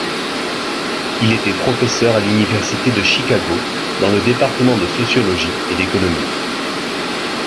Il était professeur à l'université de Chicago, dans le département de sociologie et d'économie.